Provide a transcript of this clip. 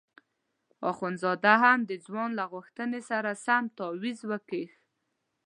اخندزاده هم د ځوان له غوښتنې سره سم تاویز وکیښ.